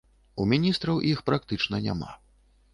У міністраў іх практычна няма.